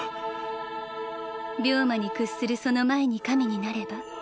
病魔に屈するその前に神になれば